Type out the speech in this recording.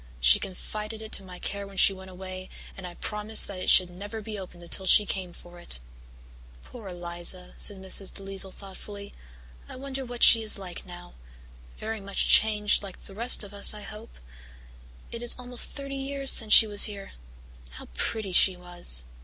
She confided it to my care when she went away, and I promised that it should never be opened until she came for it." "Poor Eliza," said Mrs. DeLisle thoughtfully. "I wonder what she is like now. Very much changed, like all the rest of us, I suppose. It is almost thirty years since she was here. How pretty she was!"